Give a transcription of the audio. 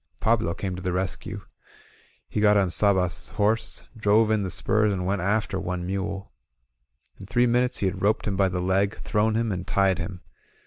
Pablo came to the rescue. He got on Sabas's horse, drove in the spurs, and went after one mule. In three minutes he had roped him by the leg, thrown him, and tied him.